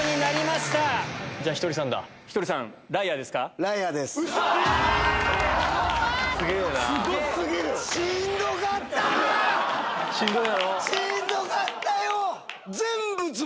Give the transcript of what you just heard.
しんどかったよ！